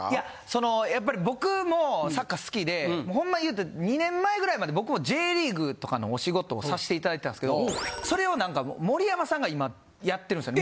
そのやっぱり僕もサッカー好きでほんま言うたら２年前ぐらいまで僕もＪリーグとかのお仕事をさして頂いてたんすけどそれを何か盛山さんが今やってるんすよ。